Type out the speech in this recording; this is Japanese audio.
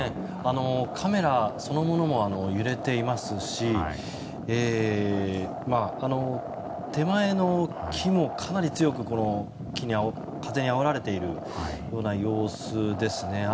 カメラそのものも揺れていますし手前の木もかなり強く風にあおられている様子ですね。